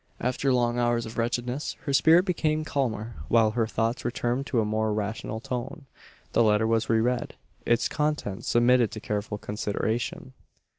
After long hours of wretchedness her spirit became calmer, while her thoughts returned to a more rational tone. The letter was re read; its contents submitted to careful consideration.